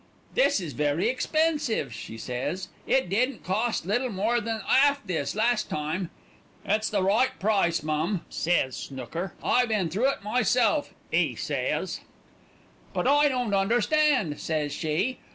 "'This is very expensive,' she says. 'It didn't cost little more than 'alf this last time.' "'It's the right price, mum,' says Snooker. 'I been through it myself,' 'e says. "'But I don't understand,' says she.